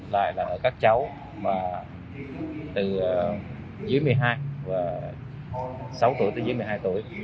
lại là ở các cháu mà từ dưới một mươi hai và sáu tuổi tới dưới một mươi hai tuổi